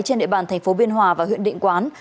trên địa bàn thành phố biên hòa và huyện định quán